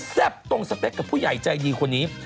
ตรงสเปคกับผู้ใหญ่ใจดีคนนี้